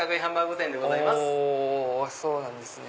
そうなんですね。